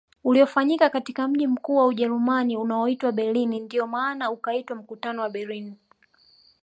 Uliofanyika katika mji mkuu wa Ujerumani unaoitwa Berlin ndio maana ukaitwa mkutano wa Berlini